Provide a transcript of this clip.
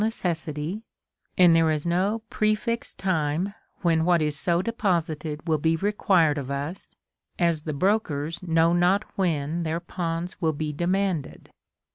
necessity, and there is no prefixed time when what is so deposited will be required of us, as the brokers know not when their pa\vns will be demanded.